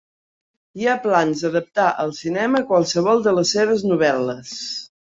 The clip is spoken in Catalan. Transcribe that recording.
Hi ha plans d'adaptar al cinema qualsevol de les seves novel·les.